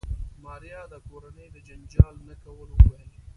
ماريا د کورنۍ د جنجال نه کولو وويل.